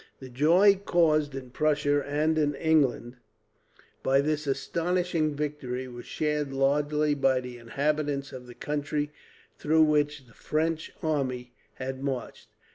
The joy caused in Prussia and in England, by this astonishing victory, was shared largely by the inhabitants of the country through which the French army had marched.